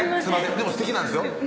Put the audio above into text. でもすてきなんですよ